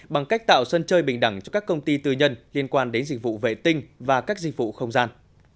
bằng cách tạo sân chơi bình đẳng cho các công ty tư nhân liên quan đến dịch vụ vệ tinh và các dịch vụ không gian